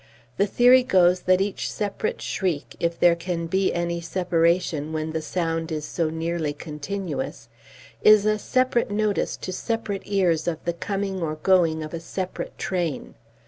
The theory goes that each separate shriek, if there can be any separation where the sound is so nearly continuous, is a separate notice to separate ears of the coming or going of a separate train.